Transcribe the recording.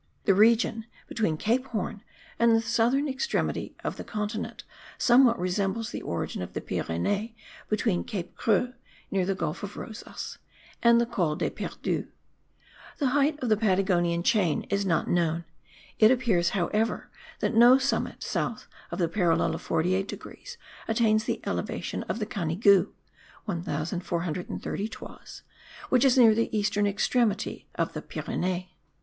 The region between Cape Horn and the southern extremity of the continent somewhat resembles the origin of the Pyrenees between Cape Creux (near the gulf of Rosas) and the Col des Perdus. The height of the Patagonian chain is not known; it appears, however, that no summit south of the parallel of 48 degrees attains the elevation of the Canigou (1430 toises) which is near the eastern extremity of the Pyrenees.